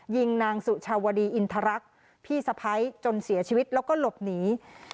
ยิงนางสุชาวดีอินทรรักษ์พี่สะพ้ายจนเสียชีวิตแล้วก็หลบหนี